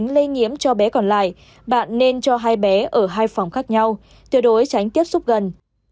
lây nhiễm cho bé còn lại bạn nên cho hai bé ở hai phòng khác nhau tuyệt đối tránh tiếp xúc gần